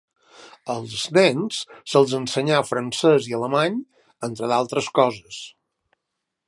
Els nens se'ls ensenyà francès i alemany, entre altres coses.